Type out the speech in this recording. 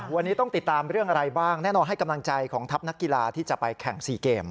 วันนี้ต้องติดตามเรื่องอะไรบ้างแน่นอนให้กำลังใจของทัพนักกีฬาที่จะไปแข่ง๔เกม